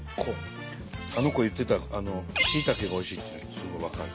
あの子言ってたしいたけがおいしいっていうのすごい分かる。